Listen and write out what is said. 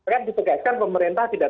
kan diperkaitkan pemerintah tidak